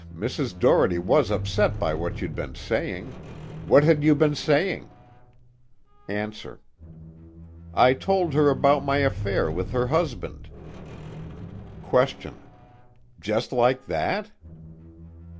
Mrs. Doherty was upset by what you'd been saying. What had you been saying? ANSWER: I told her about my affair with her husband. QUESTION: Just like that?